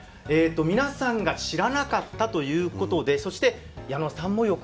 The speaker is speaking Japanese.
皆さんが知らなかったということでそして矢野さんもよく分からない。